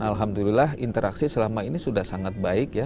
alhamdulillah interaksi selama ini sudah sangat baik ya